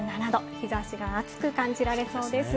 日差しが暑く感じられそうです。